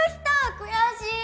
悔しい！